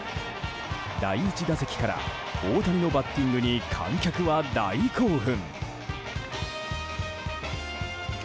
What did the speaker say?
第１打席から大谷のバッティングに観客は大興奮。